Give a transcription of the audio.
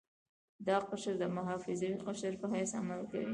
دا قشر د محافظوي قشر په حیث عمل کوي.